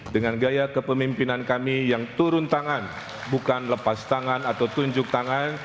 dengan gaya kepemimpinan kami yang turun tangan bukan lepas tangan atau tunjuk tangan